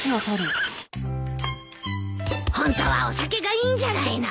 ホントはお酒がいいんじゃないの？